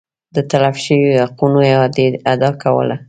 د تلف شویو حقونو اعادې ادعا کوله